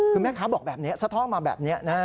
คือแม่ค้าบอกแบบนี้สะท่อมาแบบนี้นะฮะ